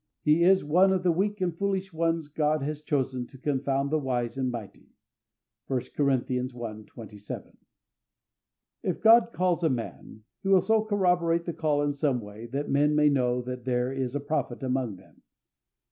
He is one of the weak and foolish ones God has chosen to confound the wise and mighty (1 Cor. i. 27). If God calls a man, He will so corroborate the call in some way, that men may know that there is a prophet among them.